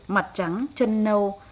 mặt trắng chân nâu